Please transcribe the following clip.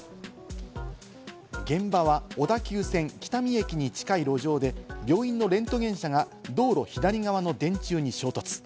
現場は小田急・線喜多見駅に近い路上で、病院のレントゲン車が道路左側の電柱に衝突。